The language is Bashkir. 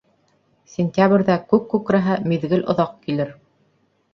Сентябрҙә күк күкрәһә, миҙгел оҙаҡ килер.